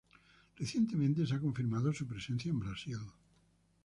Recientemente se ha confirmado su presencia en Brasil.